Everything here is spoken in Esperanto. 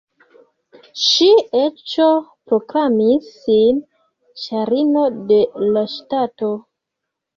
Ŝi eĉ proklamis sin “carino” de la ŝtato.